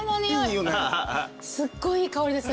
すっごいいい香りです。